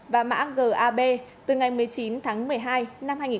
và mã gab từ ngày một mươi chín tháng sáu